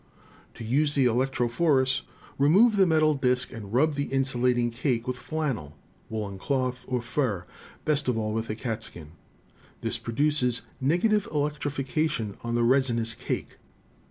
"To use the electrophorus, remove the metal disk and rub the insulating cake with flannel, woolen cloth or fur. best of all with a catskin. This produces negative elec trification on the resinous cake.